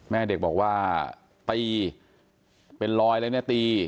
แม่เด็กบอกว่าตีเป็นรอยอะไรเนี่ยตี